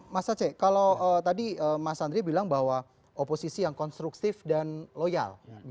mas aceh kalau tadi mas andri bilang bahwa oposisi yang konstruktif dan loyal